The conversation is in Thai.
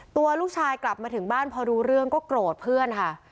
ตัวลูกชายกลับมาถึงบ้านพอรู้เรื่องก็โกรธเพื่อนค่ะ